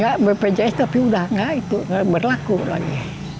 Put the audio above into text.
bapak bapak bpjs tapi udah nggak itu nggak berlaku lagi